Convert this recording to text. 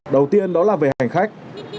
đầu tiên đó là về hành khách